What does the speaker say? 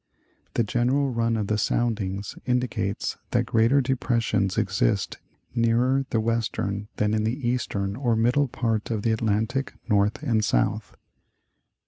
The general run of the soundings indicates that greater depres sions exist nearer the western than in the eastern or middle part of the Atlantic, North and South.